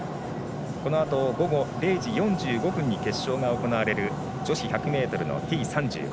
このあと午後０時４５分に決勝が行われる女子１００ｍのＴ３５